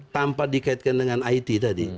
tanpa dikaitkan dengan it tadi